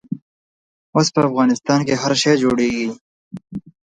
اوس په افغانستان کښې هر شی جوړېږي.